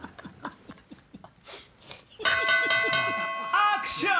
・アクション！